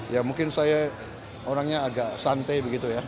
ya mungkin saya orangnya agak santai begitu ya